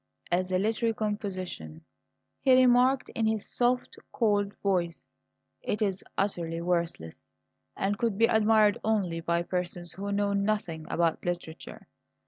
"As a literary composition," he remarked in his soft, cold voice, "it is utterly worthless, and could be admired only by persons who know nothing about literature.